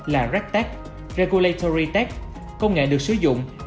là regtech regulatory tech công nghệ được sử dụng